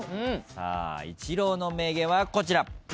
イチローの名言はこちら。